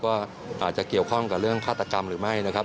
ว่าอาจจะเกี่ยวข้องกับเรื่องฆาตกรรมหรือไม่นะครับ